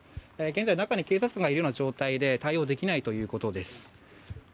現在、中に警察官がいるような状況で対応できないということです。